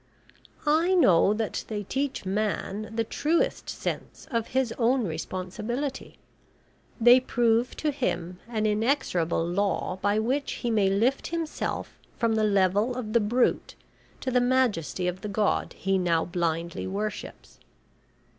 "I know that they teach man the truest sense of his own responsibility. They prove to him an inexorable law by which he may lift himself from the level of the brute to the majesty of the God he now blindly worships."